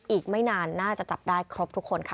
อีกไม่นานน่าจะจับได้ครบทุกคนค่ะ